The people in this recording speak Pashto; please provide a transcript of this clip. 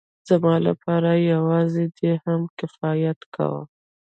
زما لپاره يوازې دې هم کفايت کاوه.